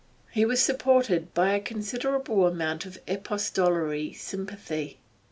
He was supported by a considerable amount of epistolary sympathy.